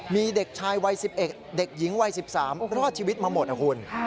มีเด็กชายวัย๑๑เด็กหญิงวัย๑๓รอดชีวิตมาหมดนะคุณ